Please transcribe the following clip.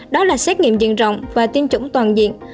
đó là xét nghiệm diện rộng và tiêm chủng toàn diện